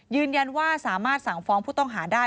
ยืนยันว่าสามารถสั่งฟ้องผู้ต้องหาได้